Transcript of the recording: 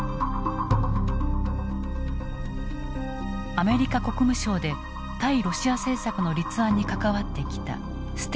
アメリカ国務省で対ロシア政策の立案に関わってきたステント氏。